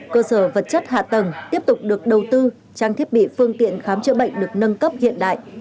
cơ sở vật chất hạ tầng tiếp tục được đầu tư trang thiết bị phương tiện khám chữa bệnh được nâng cấp hiện đại